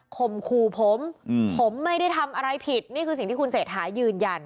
มขู่ผมผมไม่ได้ทำอะไรผิดนี่คือสิ่งที่คุณเศรษฐายืนยัน